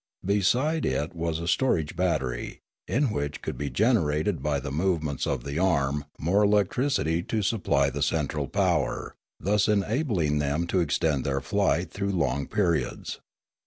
Beside it was a storage battery, in which could be generated by the movements of the arm more electricity to supply the central power, thus enabling them to extend their flight through long periods.